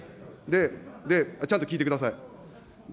ちゃんと聞いてください。